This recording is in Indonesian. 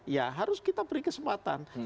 ya harus kita beri kesempatan